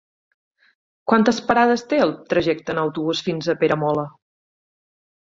Quantes parades té el trajecte en autobús fins a Peramola?